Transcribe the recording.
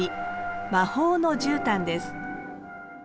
「魔法のじゅうたん」です。